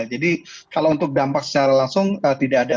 jadi kalau untuk dampak secara langsung tidak ada